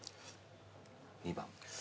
２番。